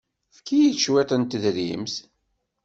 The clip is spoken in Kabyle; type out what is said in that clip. Efk-iyi cwiṭ n tedrimt.